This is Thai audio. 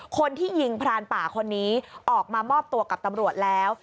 คนที่ยิงพรานป่าคนนี้ออกมามอบตัวกับตำรวจแล้ว